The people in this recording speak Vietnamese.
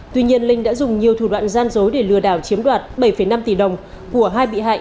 tuy nhiên linh đã dùng nhiều thủ đoạn gian dối để lừa đảo chiếm đoạt bảy năm tỷ đồng của hai bị hại